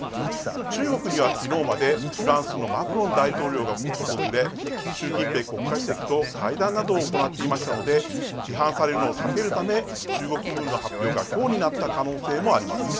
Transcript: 中国にはきのうまでフランスのマクロン大統領が訪れ習近平国家主席と会談などを行っていましたので批判されるのを避けるため中国軍の発表がきょうになった可能性もあります。